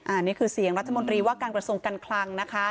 อันนี้คือเสียงรัฐมนตรีว่าการกระทรวงการคลังนะคะ